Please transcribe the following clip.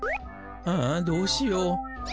ああどうしよう。